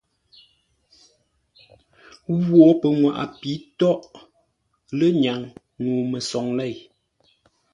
Nghwó pənŋwaʼa pi tóghʼ lə́nyaŋ ŋuu məsoŋ lěi,